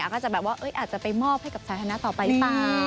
ก็จะแบบว่าอาจจะไปมอบให้กับสาธารณะต่อไปหรือเปล่า